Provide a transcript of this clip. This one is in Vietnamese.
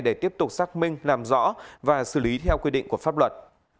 để tiếp tục xác minh làm rõ và xử lý theo quy định của pháp luật